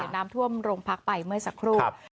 น้ำท่วมโรงพักไปเมื่อสักครู่